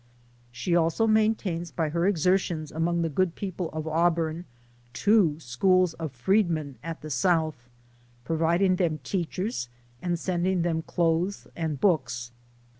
She also maintains by her exertions among the good people of Auburn, two schools of freedmen at the South, providing them teachers and sending them clothes and books.